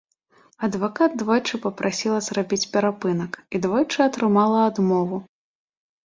Адвакат двойчы прасіла зрабіць перапынак і двойчы атрымала адмову.